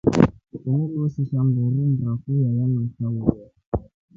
Linu tulishirisha mburu ndafu iya ya masahuyo.